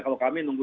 kalau kami nunggu